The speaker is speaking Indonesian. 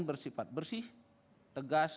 bersifat bersih tegas